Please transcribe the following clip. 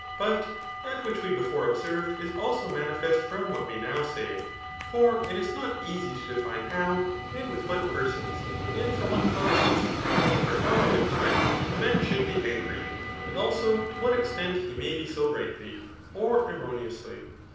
But that which we before ot^ served, is also manifest from what we now say. For it is not easy to define how, and with what persons, and from what causes, and for how long a time^ a man should be angry, and also to what extent he may be so rightly^ or erroneously.